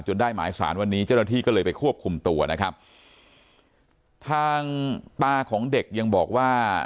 ได้หมายสารวันนี้เจ้าหน้าที่ก็เลยไปควบคุมตัวนะครับทางตาของเด็กยังบอกว่า